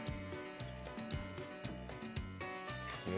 え？